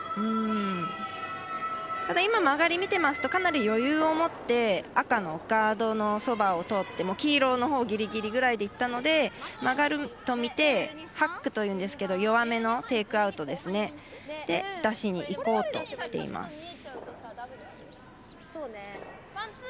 今の曲がりを見てますとかなり余裕を持って赤のガードのそばを通って、黄色のほうギリギリぐらいでいったので曲がるのを見てハックというんですけど弱めのテイクアウトで出しにいこうとしています。